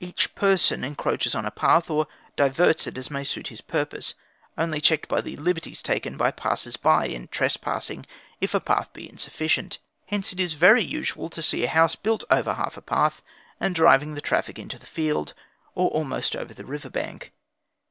Each person encroaches on a path or diverts it as may suit his purpose, only checked by the liberties taken by passers by in trespassing if a path be insufficient. Hence, it is very usual to see a house built over half of a path, and driving the traffic into the field or almost over the river bank.